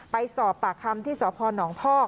ไปสอบปากคำที่สพนพ่อ